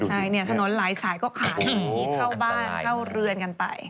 ใช่ถนนหลายสายก็ขาดอย่างนี้เข้าบ้านเข้าเรือนกันไป